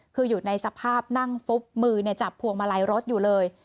คืออยู่ในสภาพนั่งฟุบมือจับพวงมาลัยรถอยู่เลย